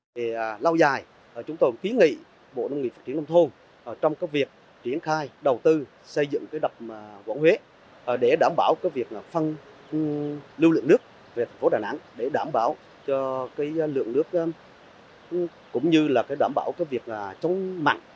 để lau dài chúng tôi ký nghị bộ nông nghiệp phát triển lâm thôn trong việc triển khai đầu tư xây dựng đập võ huế để đảm bảo phân lưu lượng nước về thành phố đà nẵng để đảm bảo lượng nước cũng như đảm bảo việc chống mặn